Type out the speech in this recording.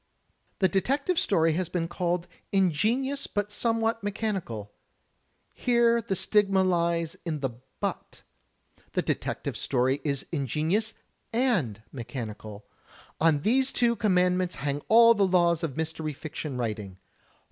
The detective story has been called "ingenious but some what mechanical." Here the stigma lies in the"6w/." The detective story is ingenious and mechanical. On these two commandments hang all the laws of mystery fiction writing.